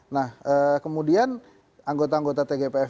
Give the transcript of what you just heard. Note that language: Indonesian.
nah kemudian anggota anggota tgpf